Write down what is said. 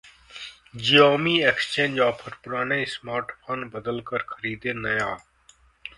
Xiaomi exchange offer, पुराने smartphone बदलकर खरीदें नया!